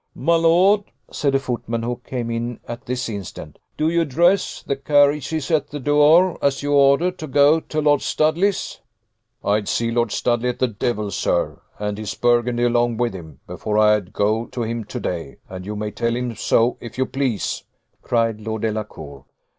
"My lord," said a footman who came in at this instant, "do you dress? The carriage is at the door, as you ordered, to go to Lord Studley's." "I'd see Lord Studley at the devil, sir, and his burgundy along with him, before I'd go to him to day; and you may tell him so, if you please," cried Lord Delacour.